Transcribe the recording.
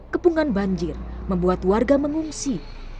kepungan banjir membuat warga mengungsi